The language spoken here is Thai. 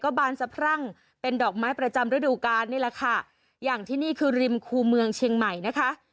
บานสะพรั่งเป็นดอกไม้ประจำฤดูกาลนี่แหละค่ะอย่างที่นี่คือริมคูเมืองเชียงใหม่นะคะ